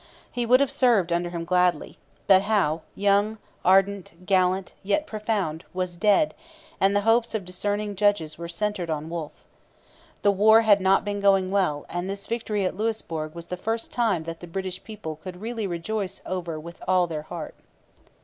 He would have served under him gladly. But Howe young, ardent, gallant, yet profound was dead; and the hopes of discerning judges were centred on Wolfe. The war had not been going well, and this victory at Louisbourg was the first that the British people could really rejoice over with all their heart.